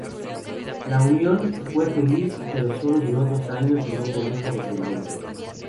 La unión fue feliz, pero sólo duró dos años y no produjo descendencia.